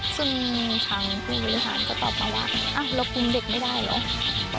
ซึ่งทางผู้บริหารก็ตอบมาว่าเรากินเด็กไม่ได้เหรอ